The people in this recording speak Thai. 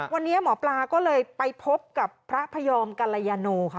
วันนี้หมอปลาก็เลยไปพบกับพระพยอมกัลยาโนค่ะ